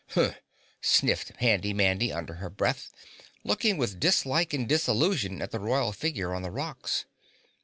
"Humph!" sniffed Handy Mandy under her breath, looking with dislike and disillusion at the royal figure on the rocks.